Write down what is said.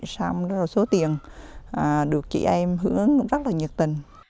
xong đó là số tiền được chị em hướng ứng rất là nhiệt tình